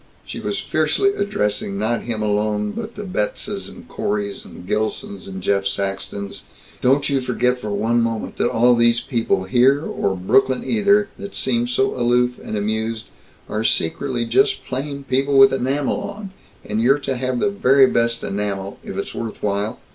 She was fiercely addressing not him alone but the Betzes and Coreys and Gilsons and Jeff Saxtons, "don't you forget for one moment that all these people here or Brooklyn either that seem so aloof and amused, are secretly just plain people with enamel on, and you're to have the very best enamel, if it's worth while.